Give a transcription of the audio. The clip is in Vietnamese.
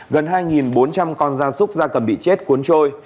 gần hai bốn trăm linh con da súc da cầm bị chết cuốn trôi